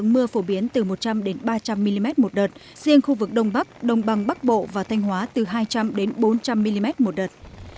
mưa phổ biến từ một trăm linh ba trăm linh mm một đợt riêng khu vực đông bắc đông bằng bắc bộ và thanh hóa từ hai trăm linh bốn trăm linh mm một đợt